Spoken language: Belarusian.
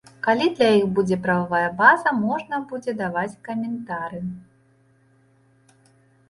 Калі для іх будзе прававая база, можна будзе даваць каментары.